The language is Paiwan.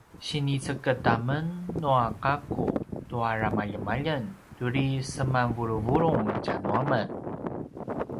siniceged amen nua gakku tua ramaljemaljeng turi semanvuluvulung tja nu amen